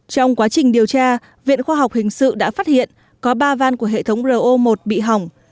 trong quá trình điều tra viện khoa học hình sự đã phát hiện có ba van của hệ thống ro một bị hỏng